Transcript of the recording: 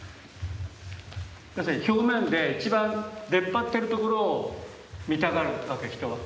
要するに表面で一番出っ張ってる所を見たがるわけ人は。